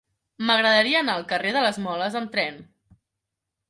M'agradaria anar al carrer de les Moles amb tren.